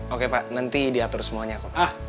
oke pak nanti diatur semuanya kok